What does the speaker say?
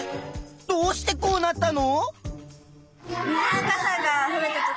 どうしてこうなったの？